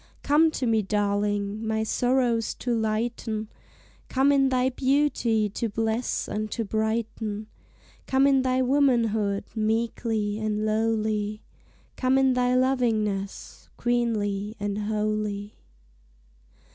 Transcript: Come to me, darling, my sorrows to lighten, Come in thy beauty to bless and to brighten; Come in thy womanhood, meekly and lowly, Come in thy lovingness, queenly and holy.